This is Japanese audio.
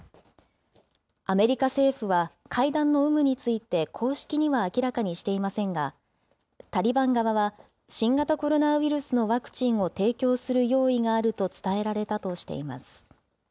アメリカ政府は、会談の有無について公式には明らかにしていませんが、タリバン側は、新型コロナウイルスのワクチンを提供する用意があると伝えられたとしています。